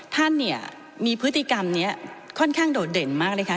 ท่านเนี่ยมีพฤติกรรมนี้ค่อนข้างโดดเด่นมากเลยค่ะ